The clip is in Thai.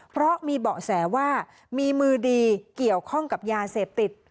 เพราะมีเบาะแสว่ามีมือดีเกี่ยวข้องกับยาเสพติด